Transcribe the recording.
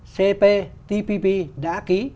cp tpp đã ký